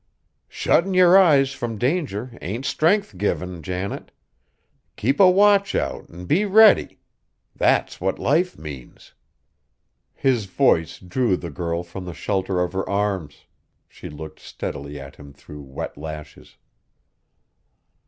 "Shuttin' yer eyes from danger ain't strength givin', Janet; keep a watch out, an' be ready. That's what life means." His voice drew the girl from the shelter of her arms, she looked steadily at him through wet lashes.